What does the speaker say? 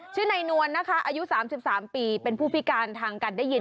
ชื่อนายนวลนะคะอายุ๓๓ปีเป็นผู้พิการทางการได้ยิน